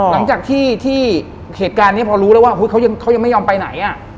หลังจากที่เหตุการณ์นี้พอรู้แล้วว่าเขายังไม่ยอมไปไหน